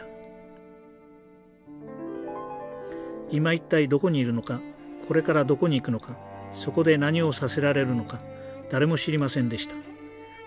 今一体どこにいるのかこれからどこに行くのかそこで何をさせられるのか誰も知りませんでした。